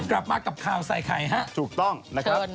กลับมากับข่าวใส่ไข่ฮะถูกต้องนะครับ